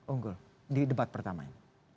unggul di debat pertama ini